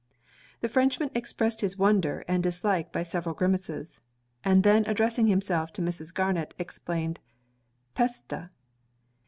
The Frenchman expressed his wonder and dislike by several grimaces; and then addressing himself to Mrs. Garnet, exclaimed 'Peste!